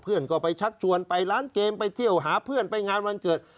เพื่อนก็ไปชักชวนไปร้านเกมไปเที่ยวหาเพื่อนไปงานวันเกิด